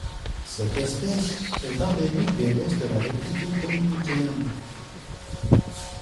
Cette espèce est endémique de l'Est de la République dominicaine.